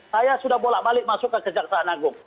saya sudah bolak balik masuk ke kejaksaan agung